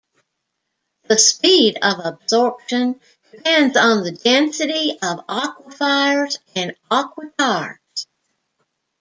The speed of absorption depends on the density of aquifers and aquitards.